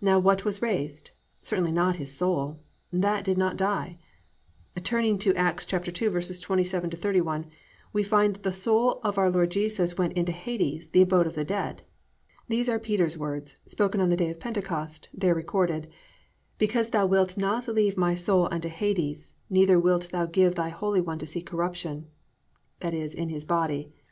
Now what was raised? Certainly not His soul. That did not die. Turning to Acts 2:27 31, we find that the soul of the Lord Jesus went into Hades, the abode of the dead. These are Peter's words, spoken on the day of Pentecost, there recorded, +"Because thou wilt not leave my soul unto Hades, neither wilt thou give thy holy one to see corruption+ (i.e., in His body).